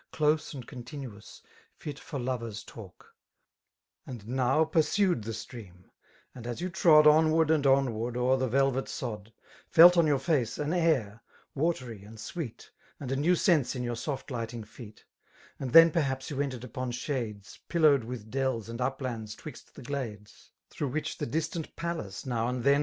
Close and continuous, fit for lovers' talk; ; er t ^ And now pursued the stream#B^HMU you trod Onward and onward o'er ihj» T^vet sod,. ^^^, Felt on your face an air^ vratihy and sweet. And a new sense in yoUr soft lighting feet ; And then perhaps you ent4^ upon shades^ Pillowed with dells and uplands 'twixt the glades^ Through which the distant palace, now and then.